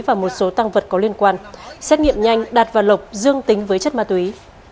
và một số tăng vật có liên quan xét nghiệm nhanh đạt và lộc dương tính với chất ma túy